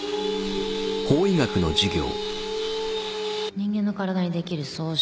人間の体にできる創傷。